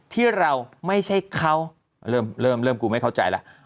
ที่เราไม่ใช่เขาเริ่มกูไม่เข้าใจแล้ว